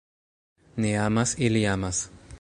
Ni amas, ili amas!